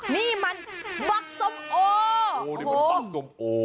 นี่มันบักส้มโอ